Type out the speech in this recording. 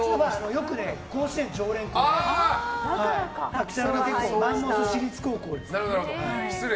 よく甲子園常連校で木更津のマンモス私立高校です。